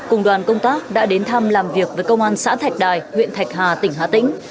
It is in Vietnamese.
cùng đoàn công tác đã đến thăm làm việc với công an xã thạch đài huyện thạch hà tỉnh hà tĩnh